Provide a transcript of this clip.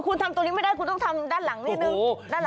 คุณทำตรงนี้ไม่ได้คุณต้องทำด้านหลังนิดนึง